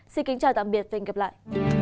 xin kính chào tạm biệt và hẹn gặp lại